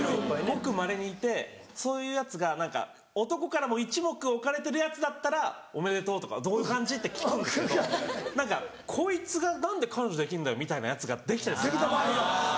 ごくまれにいてそういうヤツが何か男からも一目置かれてるヤツだったら「おめでとう」とか「どういう感じ？」って聞くんですけど何かこいつが何で彼女できるんだよみたいなヤツができたりした場合。